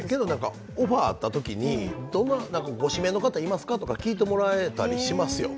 オファーがあったときにご指名の方いますかとか聞いてもらえたりしますよ。